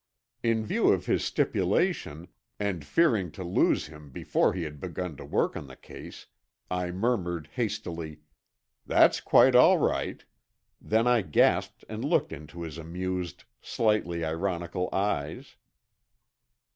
In view of his stipulation and fearing to lose him before he had begun work on the case, I murmured hastily, "That's quite all right," then I gasped and looked into his amused, slightly ironical eyes.